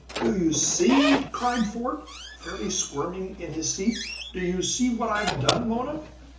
"Do you see?" cried Fort, fairly squirming in his seat. "Do you see what I've done, Mona?"